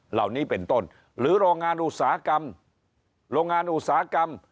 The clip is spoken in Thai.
เหล่านี้เป็นต้นหรือโรงงานอุตสาหกรรมโรงงานอุตสาหกรรม